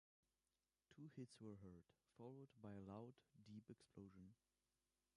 Two hits were heard, followed by a loud, deep explosion.